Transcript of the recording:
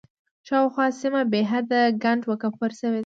شاوخوا سیمه بېحده کنډ و کپر شوې وه.